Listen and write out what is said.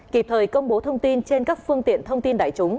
kịp thời công bố thông tin trên các phương tiện thông tin đại chúng